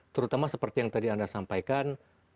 terutama seperti yang tadi anda sampaikan